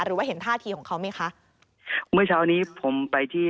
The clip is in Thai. หรือว่าเห็นท่าทีของเขาไหมคะเมื่อเช้านี้ผมไปที่